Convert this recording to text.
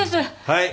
はい。